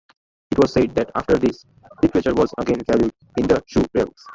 It was said that after this, literature was again valued in the Shu realms.